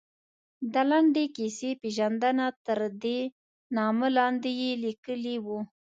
د لنډې کیسې پېژندنه، تردې نامه لاندې یې لیکلي وو.